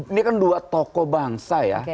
ini kan dua tokoh bangsa ya